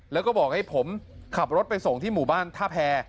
แล้วก็บอกให้ผมขับรถไปส่งที่หมู่บ้านท่าแพร